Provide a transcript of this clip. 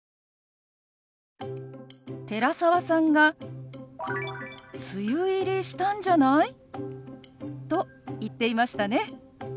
寺澤さんが「梅雨入りしたんじゃない？」と言っていましたね。